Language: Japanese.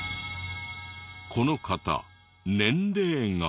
この方年齢が。